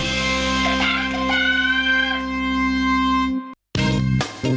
เวลาหุ่น